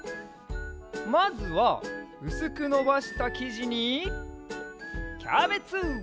まずはうすくのばしたきじにキャベツ！